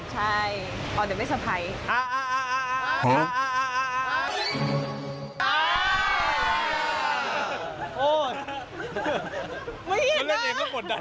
ตอนนี้ก็ทำงานทำอะไรไปก่อนครับ